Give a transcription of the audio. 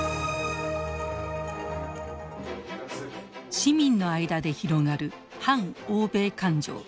市民の間で広がる反欧米感情。